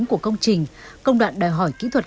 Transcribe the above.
cuộc sống của người dân sẽ đổi thay